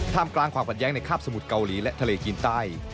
มกลางความขัดแย้งในคาบสมุทรเกาหลีและทะเลจีนใต้